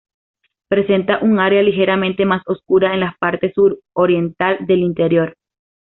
Presenta un área ligeramente más oscura en la parte suroriental del interior.